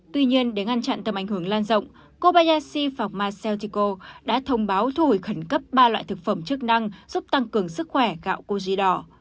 tuy nhiên để ngăn chặn tầm ảnh hưởng lan rộng kobayashi pharma sao chiko đã thông báo thu hồi khẩn cấp ba loại thực phẩm chức năng giúp tăng cường sức khỏe gạo koji đỏ